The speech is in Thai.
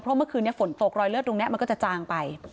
เพราะเมื่อคืนนี้ฝนตกรอยเลือดตรงนี้มันก็จะจางไป